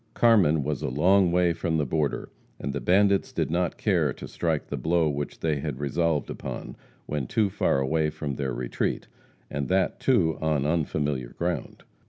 Carmen was a long way from the border, and the bandits did not care to strike the blow which they had resolved upon when too far away from their retreat, and that, too, on unfamiliar ground.